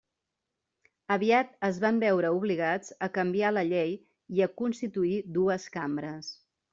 Aviat es van veure obligats a canviar la llei i a constituir dues cambres.